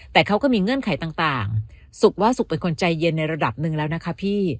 แต่เขาก็มีเงื่อนไขต่างสุขว่าสุขเป็นคนใจเย็นในระดับหนึ่งแล้วนะคะพี่